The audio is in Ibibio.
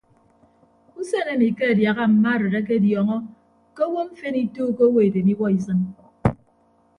Usen emi ke adiaha mma arịd akediọọñọ ke owo mfen ituuko owo edem iwuọ isịn.